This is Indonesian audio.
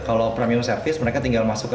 kalau premium service mereka tinggal masuk ke